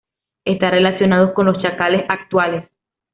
Está relacionado con los chacales actuales.